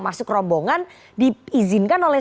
masuk rombongan diizinkan oleh